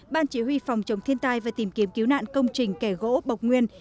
ban chỉ huy phòng chống thiên tai và tìm kiếm cứu nạn công trình kẻ gỗ bộc nguyên